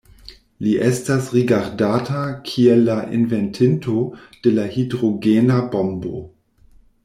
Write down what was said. Li estas rigardata kiel la inventinto de la hidrogena bombo.